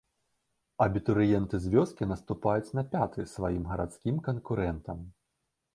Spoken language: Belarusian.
Абітурыенты з вёскі наступаюць на пяты сваім гарадскім канкурэнтам.